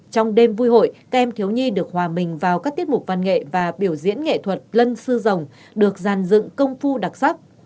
trong đêm vui hội các em thiếu nhi được hòa mình vào các tiết mục văn nghệ và biểu diễn nghệ thuật lân sư rồng được dàn dựng công phu đặc sắc